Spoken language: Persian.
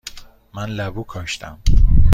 من لبو کاشتم.